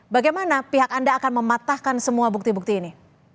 bagaimana pihak anda akan mematahkan semua bukti bukti ini